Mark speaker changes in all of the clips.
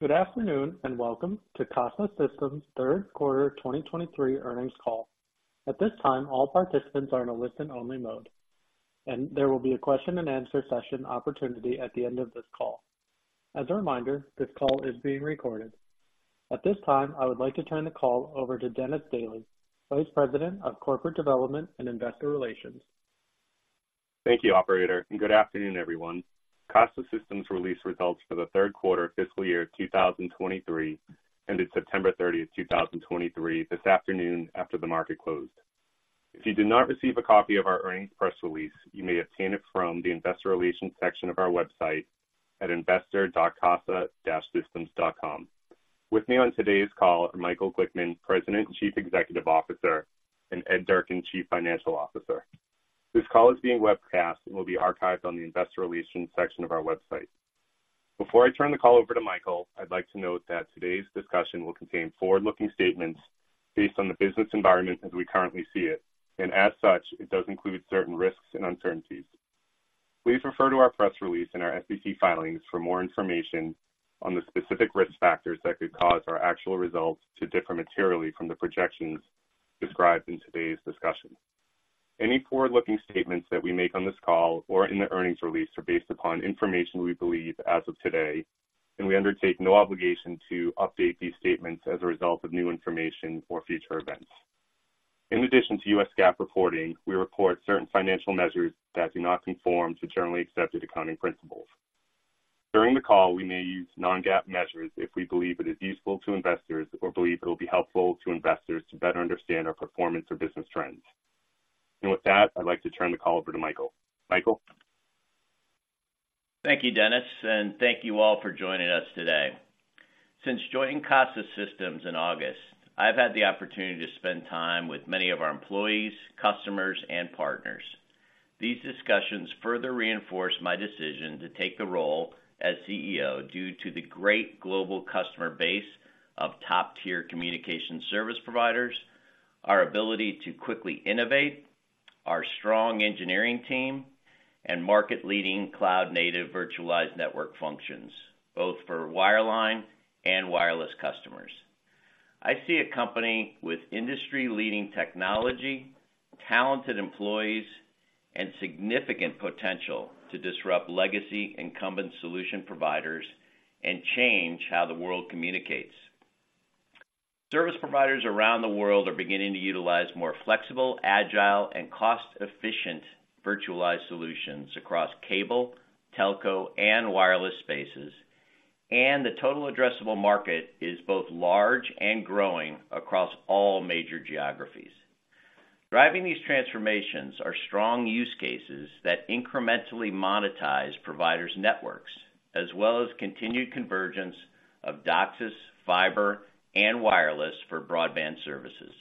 Speaker 1: Good afternoon, and welcome to Casa Systems' Third Quarter 2023 Earnings Call. At this time, all participants are in a listen-only mode, and there will be a question and answer session opportunity at the end of this call. As a reminder, this call is being recorded. At this time, I would like to turn the call over to Dennis Daly, Vice President of Corporate Development and Investor Relations.
Speaker 2: Thank you, operator, and good afternoon, everyone. Casa Systems release results for the Third Quarter Fiscal Year 2023, ended 30 September 2023, this afternoon after the market closed. If you did not receive a copy of our earnings press release, you may obtain it from the investor relations section of our website at investor.casa-systems.com. With me on today's call are Michael Glickman, President and Chief Executive Officer, and Ed Durkin, Chief Financial Officer. This call is being webcast and will be archived on the investor relations section of our website. Before I turn the call over to Michael, I'd like to note that today's discussion will contain forward-looking statements based on the business environment as we currently see it, and as such, it does include certain risks and uncertainties. Please refer to our press release and our SEC filings for more information on the specific risk factors that could cause our actual results to differ materially from the projections described in today's discussion. Any forward-looking statements that we make on this call or in the earnings release are based upon information we believe as of today, and we undertake no obligation to update these statements as a result of new information or future events. In addition to U.S. GAAP reporting, we report certain financial measures that do not conform to generally accepted accounting principles. During the call, we may use non-GAAP measures if we believe it is useful to investors or believe it will be helpful to investors to better understand our performance or business trends. With that, I'd like to turn the call over to Michael. Michael?
Speaker 3: Thank you, Dennis, and thank you all for joining us today. Since joining Casa Systems in August, I've had the opportunity to spend time with many of our employees, customers, and partners. These discussions further reinforce my decision to take the role as CEO due to the great global customer base of top-tier communication service providers, our ability to quickly innovate, our strong engineering team, and market-leading cloud-native virtualized network functions, both for wireline and wireless customers. I see a company with industry-leading technology, talented employees, and significant potential to disrupt legacy incumbent solution providers and change how the world communicates. Service providers around the world are beginning to utilize more flexible, agile, and cost-efficient virtualized solutions across cable, telco, and wireless spaces, and the total addressable market is both large and growing across all major geographies. Driving these transformations are strong use cases that incrementally monetize providers' networks, as well as continued convergence of DOCSIS, fiber, and wireless for broadband services.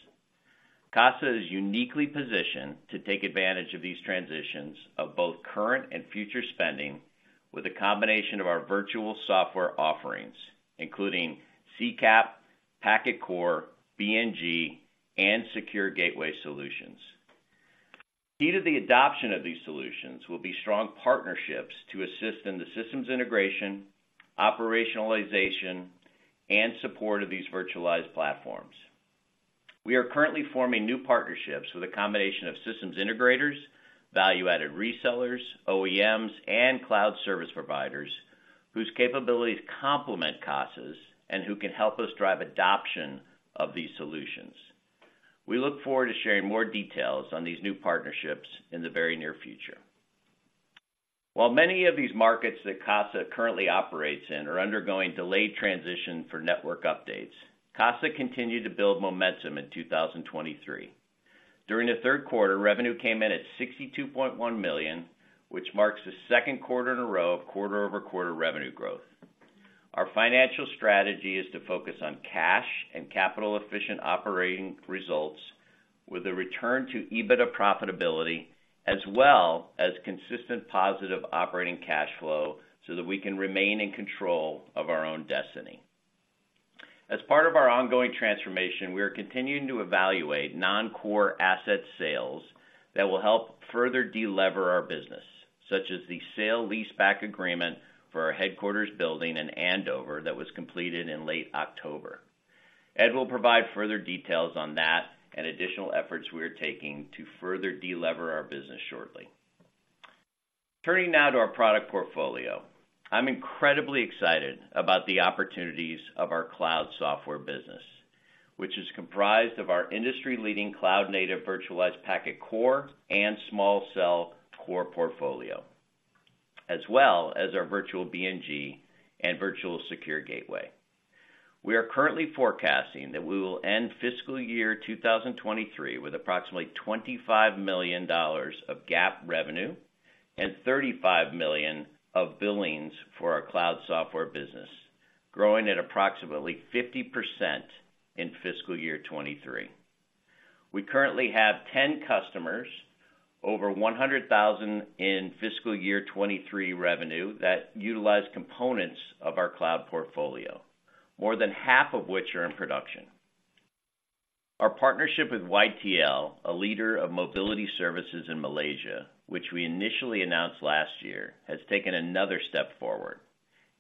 Speaker 3: Casa is uniquely positioned to take advantage of these transitions of both current and future spending, with a combination of our virtual software offerings, including CCAP, Packet Core, BNG, and Secure Gateway solutions. Key to the adoption of these solutions will be strong partnerships to assist in the systems integration, operationalization, and support of these virtualized platforms. We are currently forming new partnerships with a combination of systems integrators, value-added resellers, OEMs, and cloud service providers whose capabilities complement Casa's and who can help us drive adoption of these solutions. We look forward to sharing more details on these new partnerships in the very near future. While many of these markets that Casa currently operates in are undergoing delayed transition for network updates, Casa continued to build momentum in 2023. During the third quarter, revenue came in at $62.1 million, which marks the second quarter in a row of quarter-over-quarter revenue growth. Our financial strategy is to focus on cash and capital-efficient operating results with a return to EBITDA profitability, as well as consistent positive operating cash flow, so that we can remain in control of our own destiny. As part of our ongoing transformation, we are continuing to evaluate non-core asset sales that will help further de-lever our business, such as the sale leaseback agreement for our headquarters building in Andover that was completed in late October. Ed will provide further details on that and additional efforts we are taking to further de-lever our business shortly. Turning now to our product portfolio. I'm incredibly excited about the opportunities of our cloud software business, which is comprised of our industry-leading cloud-native virtualized packet core and small cell core portfolio, as well as our virtual BNG and virtual secure gateway. We are currently forecasting that we will end fiscal year 2023 with approximately $25 million of GAAP revenue and $35 million of billings for our cloud software business, growing at approximately 50% in fiscal year 2023. We currently have 10 customers, over $100,000 in fiscal year 2023 revenue, that utilize components of our cloud portfolio, more than half of which are in production. Our partnership with YTL, a leader of mobility services in Malaysia, which we initially announced last year, has taken another step forward.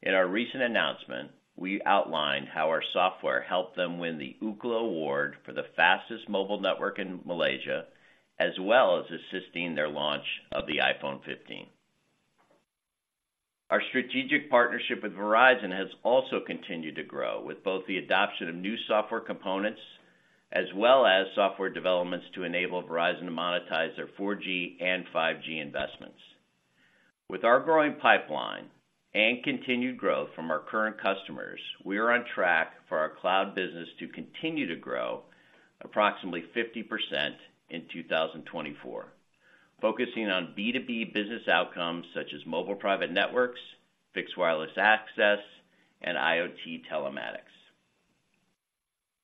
Speaker 3: In our recent announcement, we outlined how our software helped them win the Ookla Award for the fastest mobile network in Malaysia, as well as assisting their launch of the iPhone 15. Our strategic partnership with Verizon has also continued to grow, with both the adoption of new software components as well as software developments to enable Verizon to monetize their 4G and 5G investments. With our growing pipeline and continued growth from our current customers, we are on track for our cloud business to continue to grow approximately 50% in 2024, focusing on B2B business outcomes such as mobile private networks, fixed wireless access, and IoT telematics.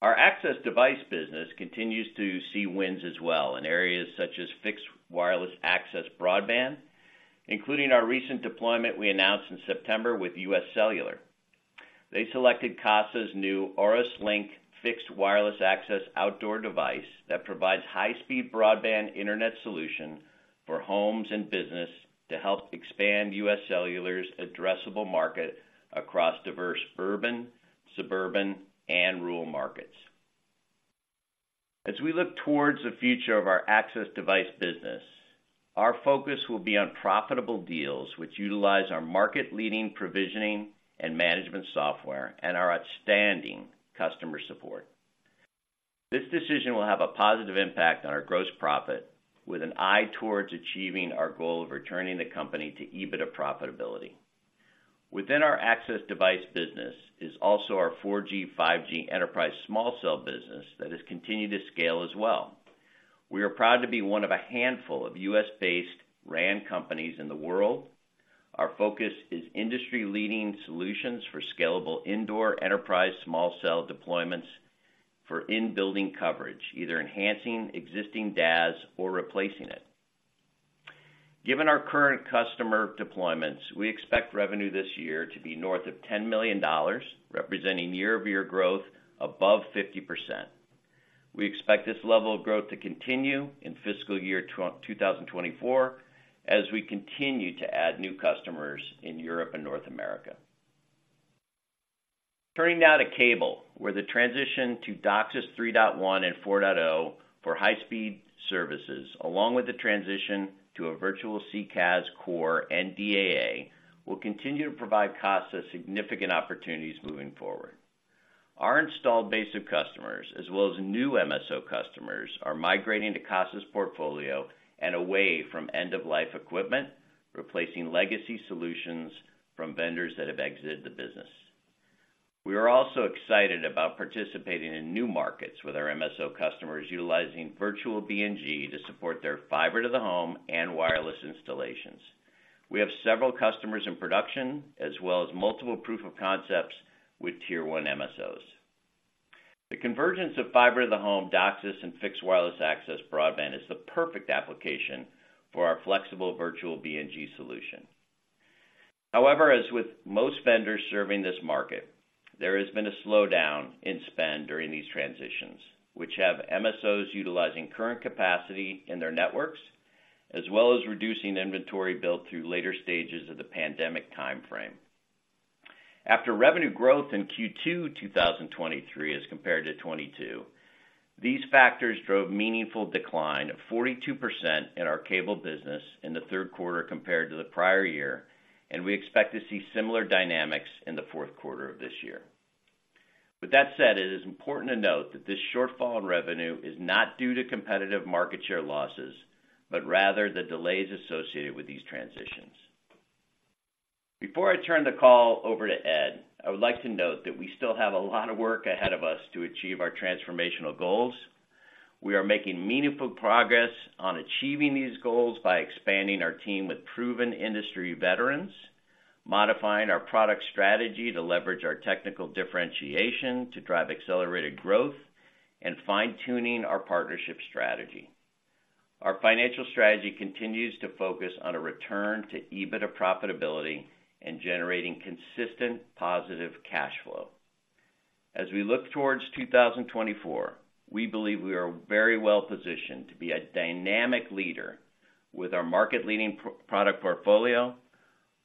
Speaker 3: Our access device business continues to see wins as well in areas such as fixed wireless access broadband, including our recent deployment we announced in September with UScellular. They selected Casa's new AurusLink fixed wireless access outdoor device that provides high-speed broadband internet solution for homes and business to help expand UScellular's addressable market across diverse urban, suburban, and rural markets. As we look towards the future of our access device business, our focus will be on profitable deals which utilize our market-leading provisioning and management software and our outstanding customer support. This decision will have a positive impact on our gross profit, with an eye towards achieving our goal of returning the company to EBITDA profitability. Within our access device business is also our 4G, 5G enterprise small cell business that has continued to scale as well. We are proud to be one of a handful of US-based RAN companies in the world. Our focus is industry-leading solutions for scalable indoor enterprise small cell deployments for in-building coverage, either enhancing existing DAS or replacing it. Given our current customer deployments, we expect revenue this year to be north of $10 million, representing year-over-year growth above 50%. We expect this level of growth to continue in fiscal year 2024, as we continue to add new customers in Europe and North America. Turning now to cable, where the transition to DOCSIS 3.1 and 4.0, for high-speed services, along with the transition to a virtual CCAP core and DAA, will continue to provide Casa significant opportunities moving forward. Our installed base of customers, as well as new MSO customers, are migrating to Casa's portfolio and away from end-of-life equipment, replacing legacy solutions from vendors that have exited the business. We are also excited about participating in new markets with our MSO customers, utilizing virtual BNG to support their fiber to the home and wireless installations. We have several customers in production, as well as multiple proof of concepts with tier one MSOs. The convergence of fiber to the home, DOCSIS, and fixed wireless access broadband is the perfect application for our flexible virtual BNG solution. However, as with most vendors serving this market, there has been a slowdown in spend during these transitions, which have MSOs utilizing current capacity in their networks, as well as reducing inventory built through later stages of the pandemic timeframe. After revenue growth in Q2, 2023 as compared to 2022, these factors drove meaningful decline of 42% in our cable business in the third quarter compared to the prior year, and we expect to see similar dynamics in the fourth quarter of this year. With that said, it is important to note that this shortfall in revenue is not due to competitive market share losses, but rather the delays associated with these transitions. Before I turn the call over to Ed, I would like to note that we still have a lot of work ahead of us to achieve our transformational goals. We are making meaningful progress on achieving these goals by expanding our team with proven industry veterans, modifying our product strategy to leverage our technical differentiation to drive accelerated growth, and fine-tuning our partnership strategy. Our financial strategy continues to focus on a return to EBITDA profitability and generating consistent, positive cash flow. As we look towards 2024, we believe we are very well positioned to be a dynamic leader with our market-leading product portfolio,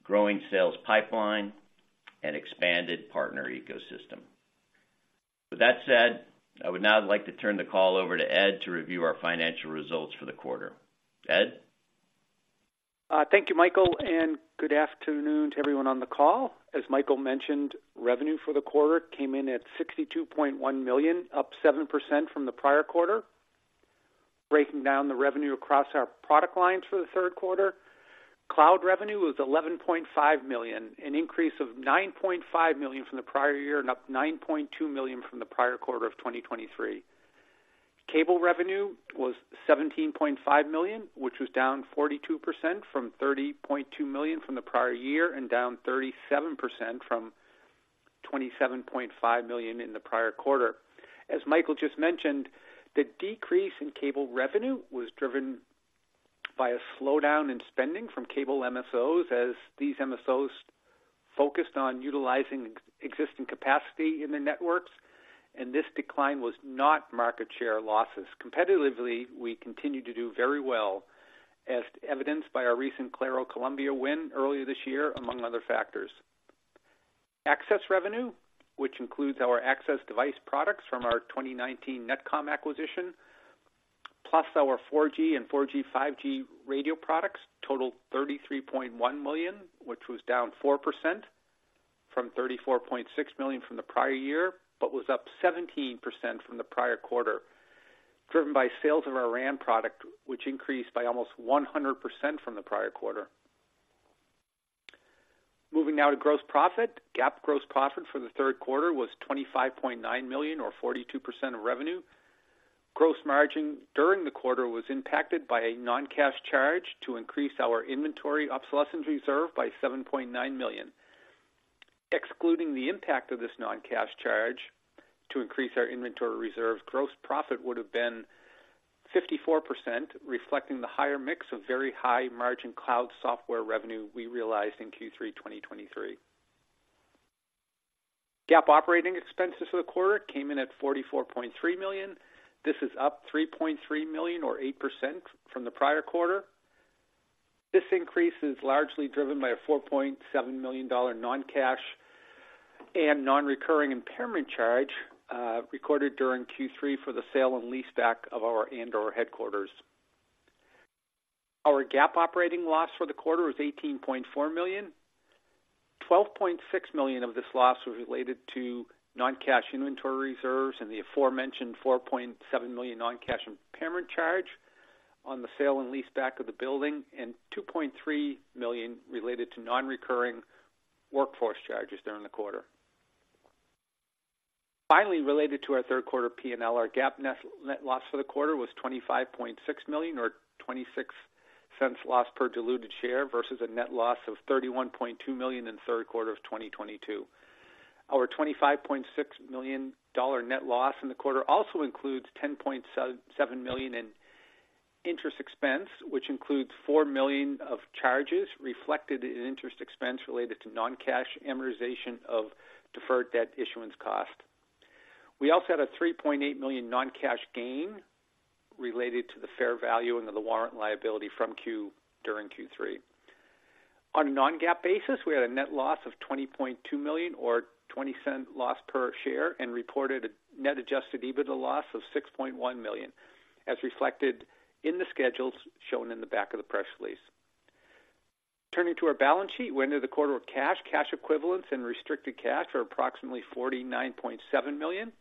Speaker 3: growing sales pipeline, and expanded partner ecosystem. With that said, I would now like to turn the call over to Ed to review our financial results for the quarter. Ed?
Speaker 4: Thank you, Michael, and good afternoon to everyone on the call. As Michael mentioned, revenue for the quarter came in at $62.1 million, up 7% from the prior quarter. Breaking down the revenue across our product lines for the third quarter, cloud revenue was $11.5 million, an increase of $9.5 million from the prior year and up $9.2 million from the prior quarter of 2023. Cable revenue was $17.5 million, which was down 42% from $30.2 million from the prior year and down 37% from $27.5 million in the prior quarter. As Michael just mentioned, the decrease in cable revenue was driven by a slowdown in spending from cable MSOs, as these MSOs focused on utilizing existing capacity in the networks, and this decline was not market share losses. Competitively, we continue to do very well, as evidenced by our recent Claro Colombia win earlier this year, among other factors. Access revenue, which includes our access device products from our 2019 NetComm acquisition, plus our 4G and 4G/5G radio products, totaled $33.1 million, which was down 4% from $34.6 million from the prior year, but was up 17% from the prior quarter, driven by sales of our RAN product, which increased by almost 100% from the prior quarter. Moving now to gross profit. GAAP gross profit for the third quarter was $25.9 million or 42% of revenue. Gross margin during the quarter was impacted by a non-cash charge to increase our inventory obsolescence reserve by $7.9 million. Excluding the impact of this non-cash charge to increase our inventory reserve, gross profit would have been 54%, reflecting the higher mix of very high-margin cloud software revenue we realized in Q3 2023. GAAP operating expenses for the quarter came in at $44.3 million. This is up $3.3 million or 8% from the prior quarter. This increase is largely driven by a $4.7 million non-cash and non-recurring impairment charge recorded during Q3 for the sale and leaseback of our Andover headquarters. Our GAAP operating loss for the quarter was $18.4 million. $12.6 million of this loss was related to non-cash inventory reserves and the aforementioned $4.7 million non-cash impairment charge on the sale and leaseback of the building, and $2.3 million related to non-recurring workforce charges during the quarter. Finally, related to our third quarter P&L, our GAAP net loss for the quarter was $25.6 million, or $0.26 loss per diluted share, versus a net loss of $31.2 million in the third quarter of 2022. Our $25.6 million net loss in the quarter also includes $10.7 million in interest expense, which includes $4 million of charges reflected in interest expense related to non-cash amortization of deferred debt issuance cost. We also had a $3.8 million non-cash gain related to the fair value of the warrant liability during Q3. On a non-GAAP basis, we had a net loss of $20.2 million or $0.20 loss per share, and reported a net adjusted EBITDA loss of $6.1 million, as reflected in the schedules shown in the back of the press release. Turning to our balance sheet, we ended the quarter with cash, cash equivalents and restricted cash of approximately $49.7 million.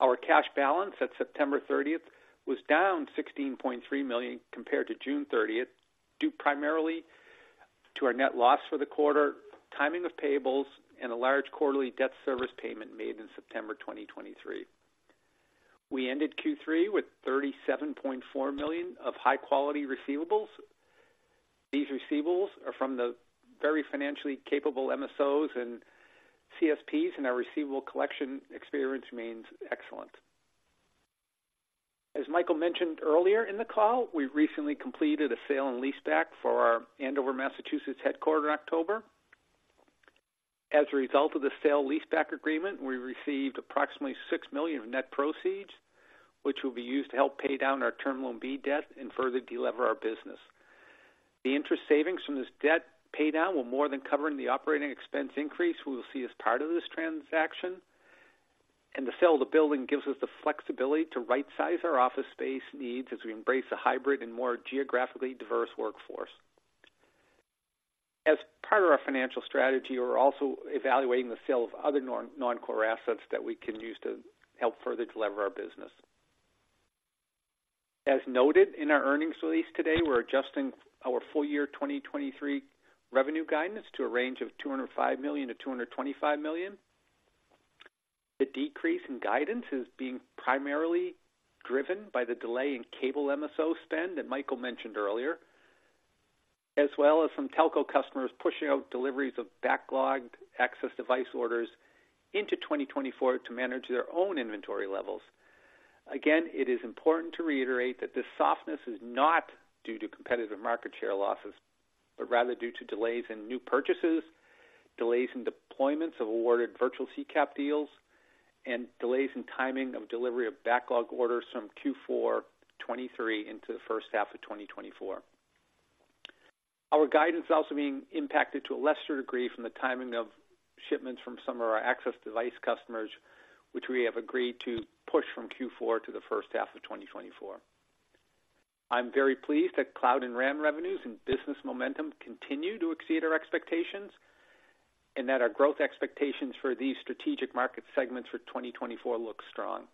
Speaker 4: Our cash balance at September 30th was down $16.3 million compared to June 30th, due primarily to our net loss for the quarter, timing of payables, and a large quarterly debt service payment made in September 2023. We ended Q3 with $37.4 million of high-quality receivables. These receivables are from the very financially capable MSOs and CSPs, and our receivable collection experience remains excellent. As Michael mentioned earlier in the call, we recently completed a sale-leaseback for our Andover, Massachusetts, headquarters in October. As a result of the sale-leaseback agreement, we received approximately $6 million of net proceeds, which will be used to help pay down our Term Loan B debt and further delever our business. The interest savings from this debt paydown will more than cover any operating expense increase we will see as part of this transaction, and the sale of the building gives us the flexibility to rightsize our office space needs as we embrace a hybrid and more geographically diverse workforce. As part of our financial strategy, we're also evaluating the sale of other non-core assets that we can use to help further delever our business. As noted in our earnings release today, we're adjusting our full year 2023 revenue guidance to a range of $205 million to $225 million. The decrease in guidance is being primarily driven by the delay in cable MSO spend that Michael mentioned earlier, as well as some telco customers pushing out deliveries of backlogged access device orders into 2024 to manage their own inventory levels. Again, it is important to reiterate that this softness is not due to competitive market share losses, but rather due to delays in new purchases, delays in deployments of awarded virtual CCAP deals, and delays in timing of delivery of backlog orders from Q4 2023 into the first half of 2024. Our guidance is also being impacted, to a lesser degree, from the timing of shipments from some of our access device customers, which we have agreed to push from Q4 to the first half of 2024. I'm very pleased that cloud and RAN revenues and business momentum continue to exceed our expectations, and that our growth expectations for these strategic market segments for 2024 look strong.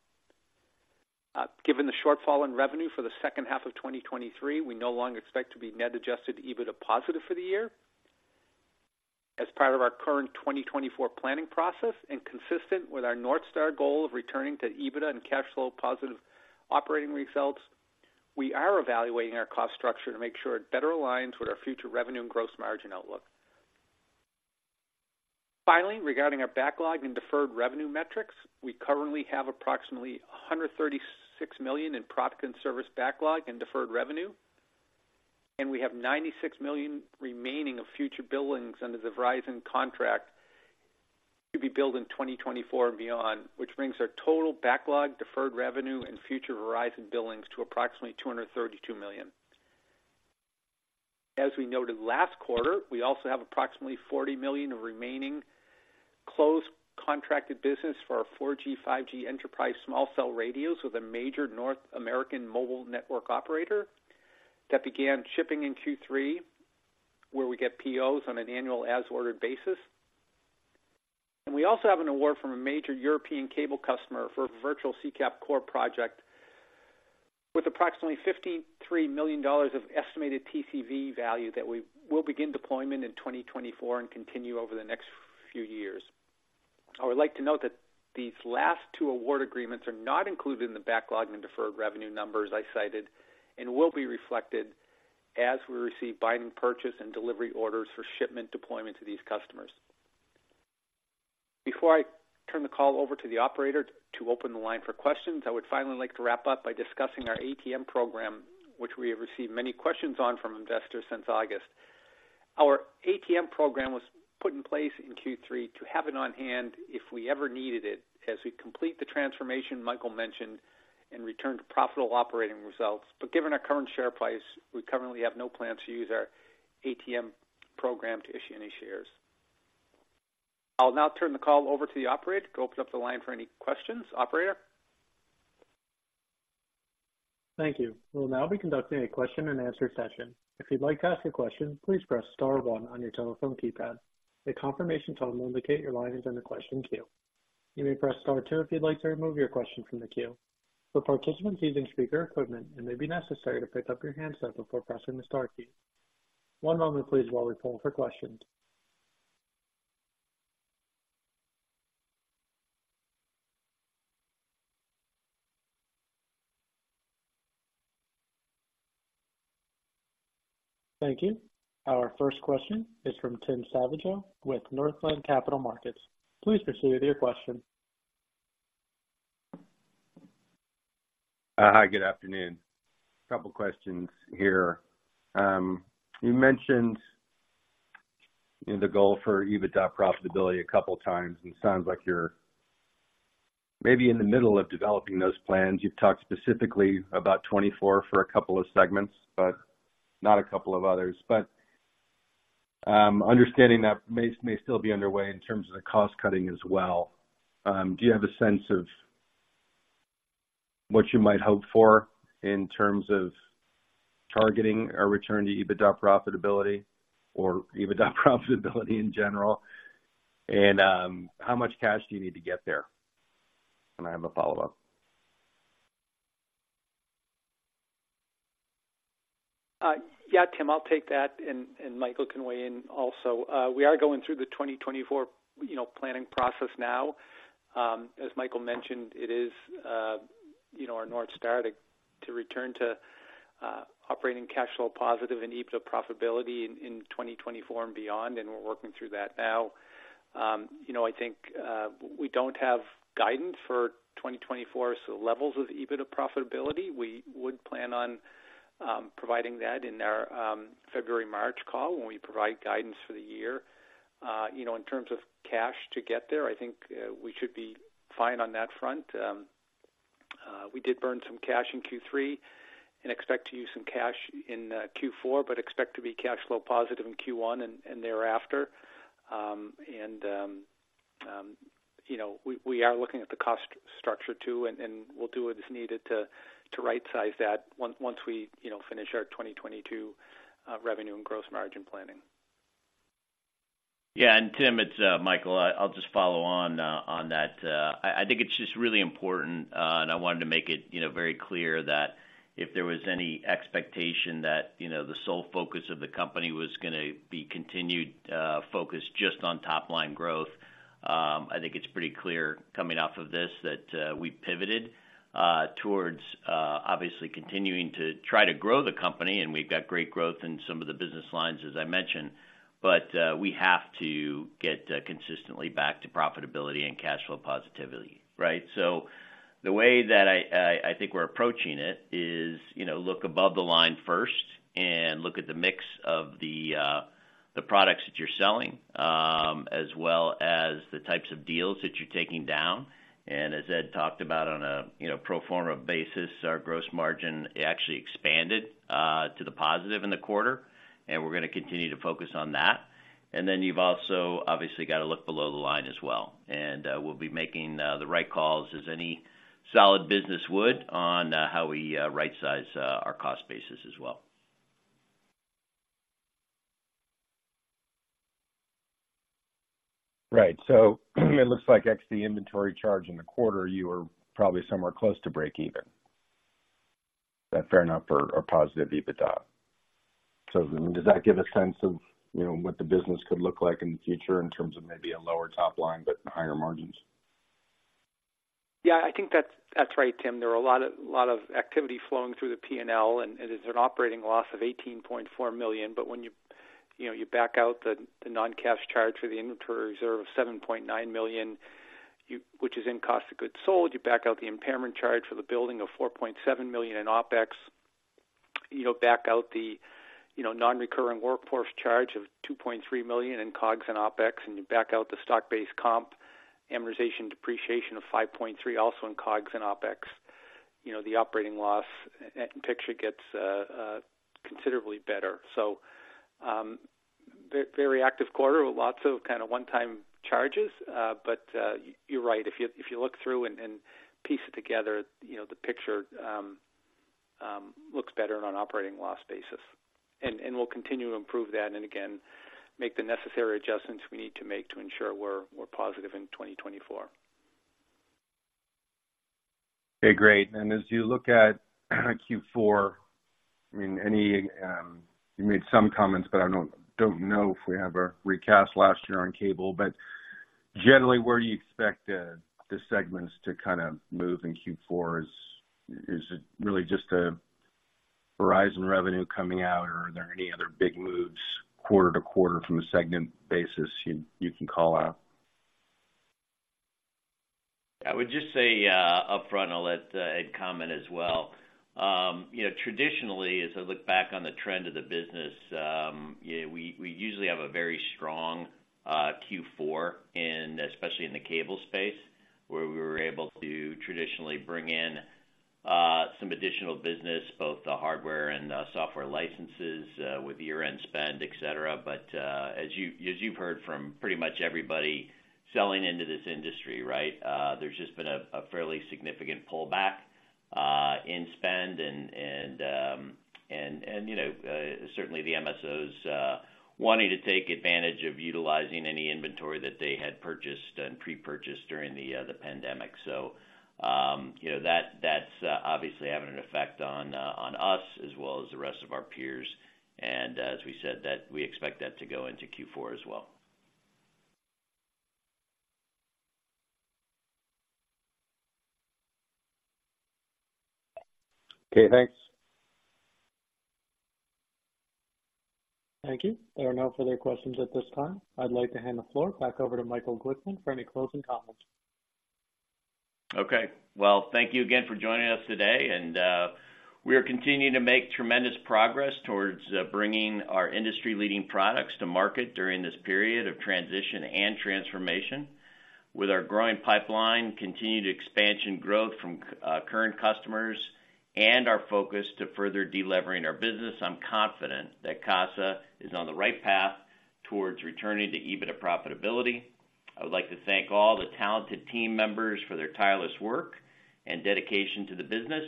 Speaker 4: Given the shortfall in revenue for the second half of 2023, we no longer expect to be net adjusted EBITDA positive for the year. As part of our current 2024 planning process and consistent with our North Star goal of returning to EBITDA and cash flow positive operating results, we are evaluating our cost structure to make sure it better aligns with our future revenue and gross margin outlook. Finally, regarding our backlog and deferred revenue metrics, we currently have approximately $136 million in product and service backlog and deferred revenue, and we have $96 million remaining of future billings under the Verizon contract to be billed in 2024 and beyond, which brings our total backlog, deferred revenue, and future Verizon billings to approximately $232 million. As we noted last quarter, we also have approximately $40 million of remaining closed contracted business for our 4G/5G enterprise small cell radios with a major North American mobile network operator that began shipping in Q3, where we get POs on an annual as-ordered basis. We also have an award from a major European cable customer for a virtual CCAP core project with approximately $53 million of estimated TCV value that we will begin deployment in 2024 and continue over the next few years. I would like to note that these last two award agreements are not included in the backlog and deferred revenue numbers I cited, and will be reflected as we receive binding purchase and delivery orders for shipment deployment to these customers. Before I turn the call over to the operator to open the line for questions, I would finally like to wrap up by discussing our ATM Program, which we have received many questions on from investors since August. Our ATM Program was put in place in Q3 to have it on hand if we ever needed it, as we complete the transformation Michael mentioned and return to profitable operating results. But given our current share price, we currently have no plans to use our ATM Program to issue any shares. I'll now turn the call over to the operator to open up the line for any questions. Operator?
Speaker 1: Thank you. We'll now be conducting a question-and-answer session. If you'd like to ask a question, please press star one on your telephone keypad. A confirmation tone will indicate your line is in the question queue. You may press star two if you'd like to remove your question from the queue. For participants using speaker equipment, it may be necessary to pick up your handset before pressing the star key. One moment, please, while we poll for questions. Thank you. Our first question is from Tim Savageaux with Northland Capital Markets. Please proceed with your question.
Speaker 5: Hi, good afternoon. Couple questions here. You mentioned the goal for EBITDA profitability a couple of times, and it sounds like you're maybe in the middle of developing those plans. You've talked specifically about 2024 for a couple of segments, but not a couple of others. But, understanding that may still be underway in terms of the cost-cutting as well, do you have a sense of what you might hope for in terms of targeting a return to EBITDA profitability or EBITDA profitability in general? And, how much cash do you need to get there? And I have a follow-up.
Speaker 4: Yeah, Tim, I'll take that and, and Michael can weigh in also. We are going through the 2024, you know, planning process now. As Michael mentioned, it is, you know, our North Star to, to return to, operating cash flow positive and EBITDA profitability in, 2024 and beyond, and we're working through that now. You know, I think, we don't have guidance for 2024, so levels of EBITDA profitability, we would plan on, providing that in our, February, March call when we provide guidance for the year. You know, in terms of cash to get there, I think, we should be fine on that front. We did burn some cash in Q3 and expect to use some cash in, Q4, but expect to be cash flow positive in Q1 and, and thereafter you know, we are looking at the cost structure, too, and we'll do what is needed to rightsize that once we, you know, finish our 2022 revenue and gross margin planning.
Speaker 3: Yeah, and Tim, it's Michael. I'll just follow on on that. I think it's just really important, and I wanted to make it, you know, very clear that if there was any expectation that, you know, the sole focus of the company was gonna be continued focus just on top-line growth. I think it's pretty clear coming off of this, that we pivoted towards obviously continuing to try to grow the company, and we've got great growth in some of the business lines, as I mentioned, but we have to get consistently back to profitability and cash flow positivity, right? So the way that I think we're approaching it is, you know, look above the line first and look at the mix of the products that you're selling, as well as the types of deals that you're taking down. And as Ed talked about on a, you know, pro forma basis, our gross margin actually expanded to the positive in the quarter, and we're going to continue to focus on that. And then you've also obviously got to look below the line as well. And we'll be making the right calls as any solid business would on how we rightsize our cost basis as well.
Speaker 5: Right. So it looks like ex the inventory charge in the quarter, you are probably somewhere close to breakeven. Is that fair enough for a positive EBITDA? So does that give a sense of, you know, what the business could look like in the future in terms of maybe a lower top line, but higher margins?
Speaker 4: Yeah, I think that's right, Tim. There are a lot of activity flowing through the P&L, and it is an operating loss of $18.4 million. But when you, you know, you back out the non-cash charge for the inventory reserve of $7.9 million, which is in cost of goods sold, you back out the impairment charge for the building of $4.7 million in OpEx, you know, back out the non-recurring workforce charge of $2.3 million in COGS and OpEx, And you back out the stock-based comp, amortization, depreciation of $5.3 million, also in COGS and OpEx, you know, the operating loss picture gets considerably better. So, very active quarter with lots of kind of one-time charges. But, you're right. If you look through and piece it together, you know, the picture looks better on an operating loss basis. And we'll continue to improve that and again, make the necessary adjustments we need to make to ensure we're more positive in 2024.
Speaker 5: Okay, great. And as you look at Q4, I mean, any you made some comments, but I don't know if we have a recast last year on cable. But generally, where do you expect the segments to kind of move in Q4? Is it really just a Verizon revenue coming out, or are there any other big moves quarter to quarter from a segment basis you can call out?
Speaker 3: I would just say, upfront, I'll let Ed comment as well. You know, traditionally, as I look back on the trend of the business, yeah, we usually have a very strong Q4, and especially in the cable space, where we were able to traditionally bring in some additional business, both the hardware and the software licenses, with year-end spend, et cetera. But as you've heard from pretty much everybody selling into this industry, right, there's just been a fairly significant pullback in spend and you know, certainly the MSOs wanting to take advantage of utilizing any inventory that they had purchased and pre-purchased during the pandemic. So, you know, that's obviously having an effect on us as well as the rest of our peers. As we said, that we expect that to go into Q4 as well.
Speaker 5: Okay, thanks.
Speaker 1: Thank you. There are no further questions at this time. I'd like to hand the floor back over to Michael Glickman for any closing comments.
Speaker 3: Okay. Well, thank you again for joining us today, and we are continuing to make tremendous progress towards bringing our industry-leading products to market during this period of transition and transformation. With our growing pipeline, continued expansion growth from current customers, and our focus to further delevering our business, I'm confident that Casa is on the right path towards returning to EBITDA profitability. I would like to thank all the talented team members for their tireless work and dedication to the business,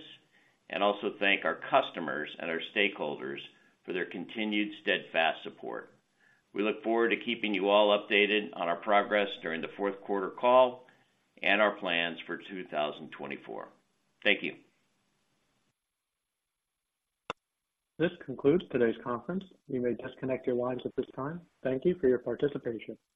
Speaker 3: and also thank our customers and our stakeholders for their continued steadfast support. We look forward to keeping you all updated on our progress during the fourth quarter call and our plans for 2024. Thank you.
Speaker 1: This concludes today's conference. You may disconnect your lines at this time. Thank you for your participation.